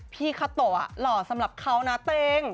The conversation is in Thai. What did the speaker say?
คาโตะหล่อสำหรับเขานะเต็ง